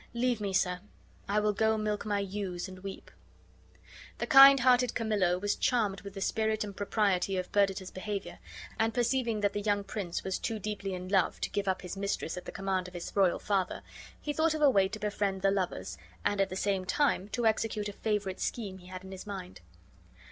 Leave me, sir. I will go milk my ewes and weep." The kind hearted Camillo was charmed with the spirit and propriety of Perdita's behavior; and, perceiving that the young prince was too deeply in love to give up his mistress at the command of his royal father, he thought of a way to befriend the lovers and at the same time to execute a favorite scheme he had in his mind.